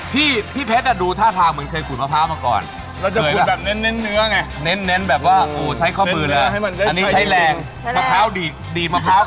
เดี๋ยวเราจะมาชั่งกันเลยนะครับของวุฒิเจ๊นะฮะ